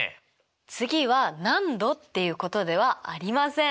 次は何度っていうことではありません。